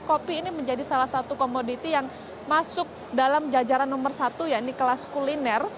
kopi ini menjadi salah satu komoditi yang masuk dalam jajaran nomor satu ya ini kelas kuliner